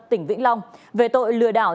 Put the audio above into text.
tỉnh vĩnh long về tội lừa đảo